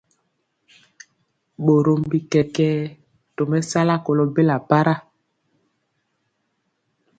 Borom bi kɛkɛɛ tomesala kolo bela para.